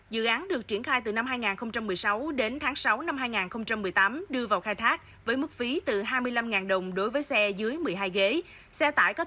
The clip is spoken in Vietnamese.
dự án được triển khai từ năm hai nghìn một mươi sáu đến tháng sáu năm hai nghìn một mươi tám đưa vào khai thác với mức phí từ hai mươi năm đồng đối với xe dưới một mươi hai ghế